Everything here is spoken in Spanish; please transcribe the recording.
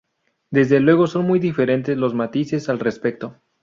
Desde luego son muy diferentes los matices al respecto.